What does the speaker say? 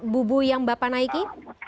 bubu yang bapak naiki